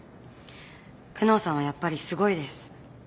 久能さんはやっぱりすごいです。